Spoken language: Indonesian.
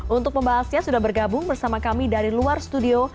untuk pembahasnya sudah bergabung bersama kami dari luar studio